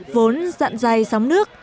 vốn dặn dây sóng nước